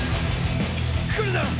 来るな！